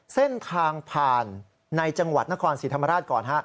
เส้นทางผ่านในจังหวัดนครศรีธรรมราชก่อนฮะ